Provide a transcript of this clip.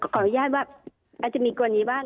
ขออนุญาตว่าอาจจะมีกรณีบ้าง